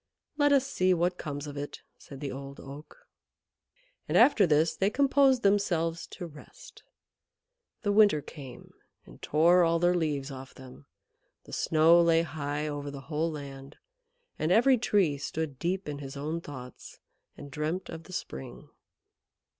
"Let us see what comes of it," said the Old Oak. And after this they composed themselves to rest. The winter came and tore all their leaves off them, the snow lay high over the whole land, and every Tree stood deep in his own thoughts and dreamt of the spring.